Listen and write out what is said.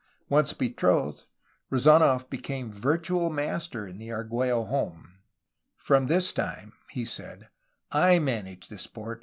Once betrothed, Rezanof became virtual master in the Argiiello home. "From this time," he said, "I managed this port